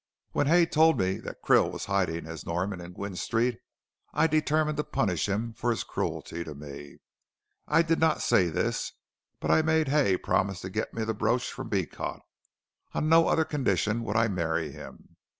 When Hay told me that Krill was hiding as Norman in Gwynne Street I determined to punish him for his cruelty to me. I did not say this, but I made Hay promise to get me the brooch from Beecot on no other condition would I marry him.